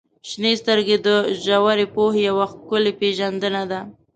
• شنې سترګې د ژورې پوهې یوه ښکلې پیژندنه ده.